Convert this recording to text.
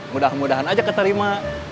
mudah mudahan aja keterima